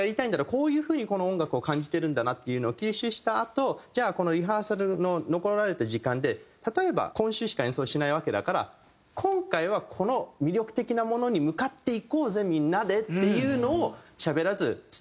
こういう風にこの音楽を感じてるんだなっていうのを吸収したあとじゃあこのリハーサルの残された時間で例えば「今週しか演奏しないわけだから今回はこの魅力的なものに向かっていこうぜみんなで」っていうのをしゃべらず。